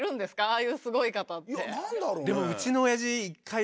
ああいうすごい方って。